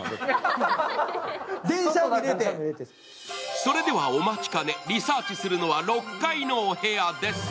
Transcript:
それではお待ちかね、リサーチするのは６階のお部屋です。